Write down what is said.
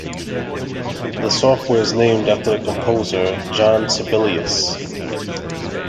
The software is named after the composer Jean Sibelius.